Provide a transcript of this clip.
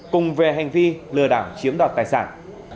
cùng về hành vi lừa đảo chiếm đoạt tài sản